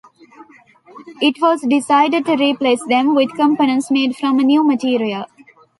It was decided to replace them with components made from a new material.